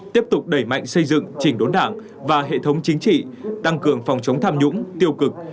tiếp tục đẩy mạnh xây dựng chỉnh đốn đảng và hệ thống chính trị tăng cường phòng chống tham nhũng tiêu cực